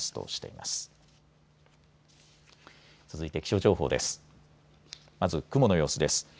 まず雲の様子です。